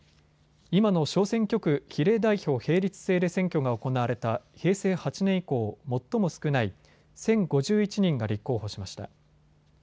今の小選挙区比例代表並立制で選挙が行われた平成８年以降、最も少ない１０５１人が立候補しました。